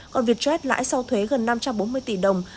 còn vietjet lãi sau thuế gần năm trăm bốn mươi tỷ đồng